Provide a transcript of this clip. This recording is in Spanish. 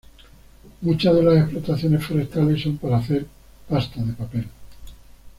Muchas de las explotaciones forestales son para hacer pasta de papel.